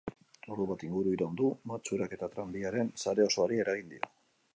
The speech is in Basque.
Ordu bat inguru iraun du matxurak eta tranbiaren sare osoari eragin dio.